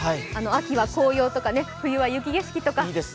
秋は紅葉とか冬は雪景色とか。